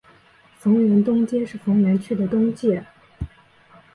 逢源东街是逢源区的东界。